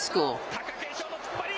貴景勝の突っ張り。